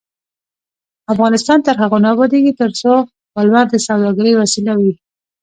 افغانستان تر هغو نه ابادیږي، ترڅو ولور د سوداګرۍ وسیله وي.